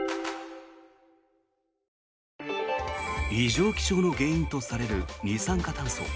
異常気象の原因とされる二酸化炭素。